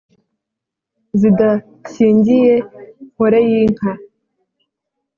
zidashyingiye nkoreyinka,